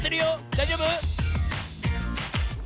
だいじょうぶ？